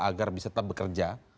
agar bisa tetap bekerja